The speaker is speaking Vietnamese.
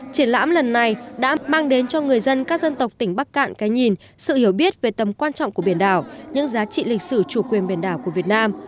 triển lãm lần này đã mang đến cho người dân các dân tộc tỉnh bắc cạn cái nhìn sự hiểu biết về tầm quan trọng của biển đảo những giá trị lịch sử chủ quyền biển đảo của việt nam